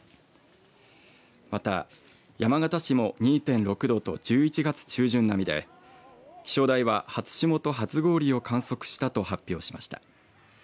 また山形市も２．６度と１１月中旬並みで気象台は初霜と初氷を観測したと発表しました。